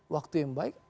waktu yang baik